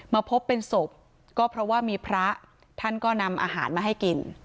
มาพบเป็นศพก็เพราะว่ามีพระท่านก็นำอาหารมาให้กิน